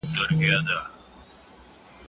د قران پيل په اقراء دي